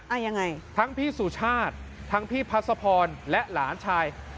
ยังไงทั้งพี่สุชาติทั้งพี่พัศพรและหลานชาย